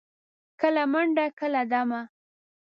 کله منډه، کله دمه.